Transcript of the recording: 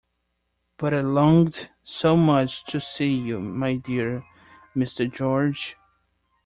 But I longed so much to see you, my dear Mr. George.